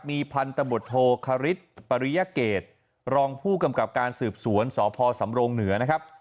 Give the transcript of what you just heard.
มีพันธบทโทคริสปริยเกตรองผู้กำกับการสืบสวนสพสำรงเหนือนะครับ